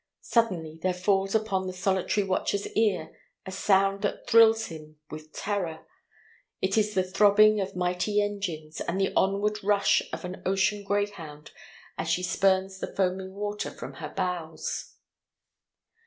Suddenly there falls upon the solitary watcher's ear a sound that thrills him with terror: it is the throbbing of mighty engines and the onward rush of an ocean greyhound as she spurns the foaming water from her bows.